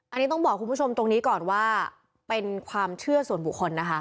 อันนี้ต้องบอกคุณผู้ชมตรงนี้ก่อนว่าเป็นความเชื่อส่วนบุคคลนะคะ